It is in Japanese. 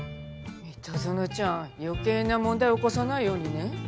三田園ちゃん余計な問題起こさないようにね。